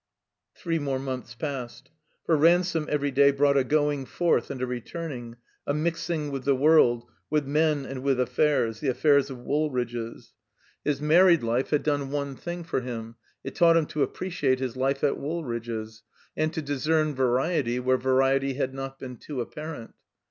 '* Three more months passed. For Ransome every day brought a going forth and a rettiming, a mixing with the world, with men and with affairs, the affairs of Woolridge'Si His married 167 THE COMBINED MAZE life had done one thing for him. It taught him to appreciate his life at Woolridge's, and to discern variety where variety had not been too apparent.